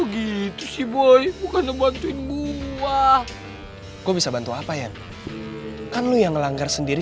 gitu sih boy bukan ngebantuin gua gua bisa bantu apa ya kan lu yang melanggar sendiri